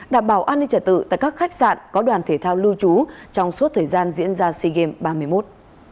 đảm bảo an ninh trả tự tại các khách sạn có đoàn thể thao lưu trú trong suốt thời gian diễn ra sea games ba mươi một